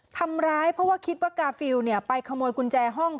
ทำร้ายเพราะว่าคิดว่ากาฟิวปีนี่ไปขโมยกุญแจห้องตาแล้วนะครับ